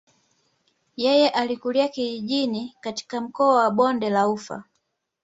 Yeye alikulia kijijini katika mkoa wa bonde la ufa.